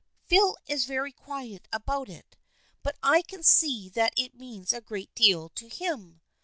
Phil is very quiet about it, but I can see that it means a great deal to him.